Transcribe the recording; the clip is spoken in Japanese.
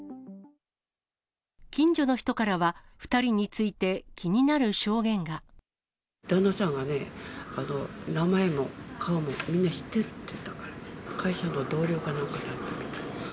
近所の人からは、２人について、旦那さんがね、名前も顔もみんな知ってるって言ってたから、会社の同僚かなんかだったみたい。